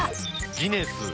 ギネス。